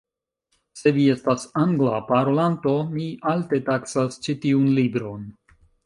Se vi estas Angla parolanto, mi alte taksas ĉi tiun libron.